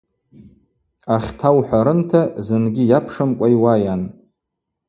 Ахьта ухӏварынта, зынгьи йапшымкӏва йуайан.